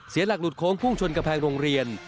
หลักหลุดโค้งพุ่งชนกำแพงโรงเรียน